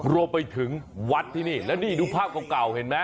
โรไปถึงวัดที่นี่และนี่ดูภาพเก่าเห็นมั้ย